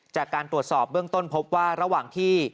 จากการตรวจสอบเบื้องต้นพบว่าระหว่างที่